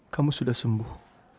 kamu sudah sembuh